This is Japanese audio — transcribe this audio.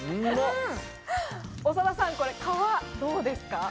長田さん、皮どうですか？